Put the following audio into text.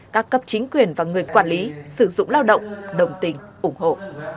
các cấp chính quyền và người quản lý sử dụng lao động đồng tình ủng hộ